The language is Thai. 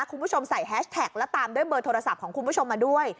คุณผู้ชมใส่แฮชแท็กและตามด้วยเบอร์โทรศัพท์ของคุณผู้ชมมาด้วย